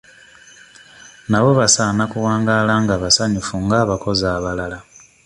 Nabo basaana okuwangaala nga basanyufu ng'abakozi abalala.